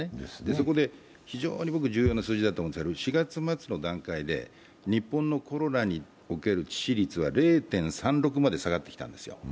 そこで非常に僕重要な数字だと思うんですけど、４月末の段階で日本のコロナにおける致死率が０．３６まで下がってきたんですよ。